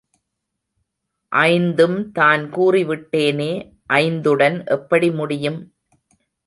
ஐந்தும்தான் கூறிவிட்டேனே! ஐந்துடன் எப்படி முடியும்?